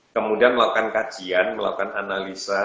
kemudian melakukan kajian melakukan analisa